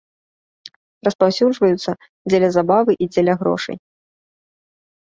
Распаўсюджваюцца для забавы і дзеля грошай.